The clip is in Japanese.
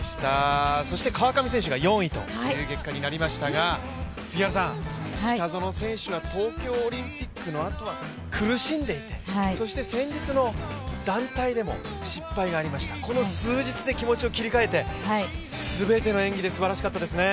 川上選手が４位という結果になりましたが、北園選手は東京オリンピックのあとは苦しんでいて、そして先日の団体でも失敗がありました、この数日で気持ちを切り替えて全ての演技ですばらしかったですね。